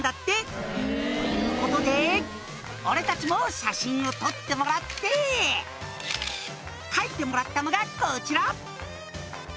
「ということで俺たちも写真を撮ってもらって」「描いてもらったのがこちら！」